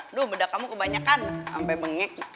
aduh beda kamu kebanyakan sampe bengek